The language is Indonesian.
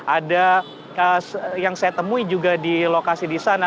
ada yang saya temui juga di lokasi di sana